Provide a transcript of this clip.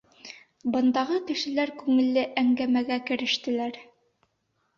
Бындағы кешеләр күңелле әңгәмәгә керештеләр.